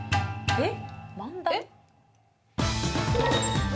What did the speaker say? えっ？